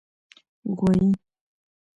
🐂 غوایی